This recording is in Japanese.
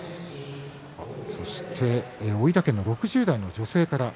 そして大分県の６０代の女性から。